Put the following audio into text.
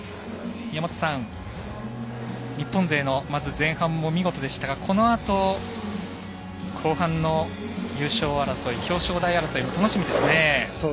宮本さん、日本勢の前半も見事でしたがこのあと、後半の優勝争い表彰台争いも楽しみですね。